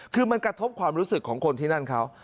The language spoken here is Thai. คือมันกระทบความรู้สึกของคนที่นั่นเขา